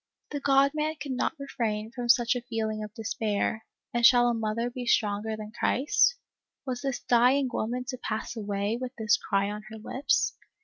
" The God Man could not refrain from such a feeling of despair, and shall a mother be stronger than Christ ? Was this dying woman to pass away, with this cry on her lips